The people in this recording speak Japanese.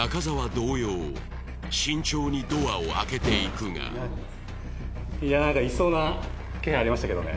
同様慎重にドアを開けていくがいや何かいそうな気配ありましたけどね